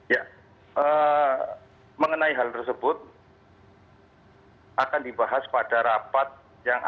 ya mengenai hal tersebut akan dibahas pada rapat yang akan